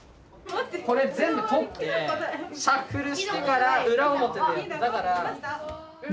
これ全部取ってシャッフルしてから裏表でやる。